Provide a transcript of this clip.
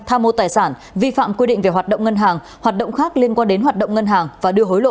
tham mô tài sản vi phạm quy định về hoạt động ngân hàng hoạt động khác liên quan đến hoạt động ngân hàng và đưa hối lộ